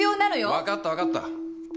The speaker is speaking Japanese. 分かった分かった。